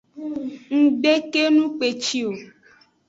Ng gbe kenu kpeci o.